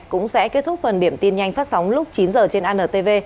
cũng sẽ kết thúc phần điểm tin nhanh phát sóng lúc chín h trên antv